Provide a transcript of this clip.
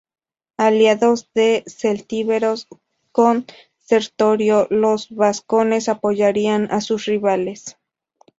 Aliados los celtíberos con Sertorio, los vascones apoyarían a sus rivales.